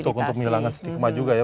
untuk menghilangkan stigma juga ya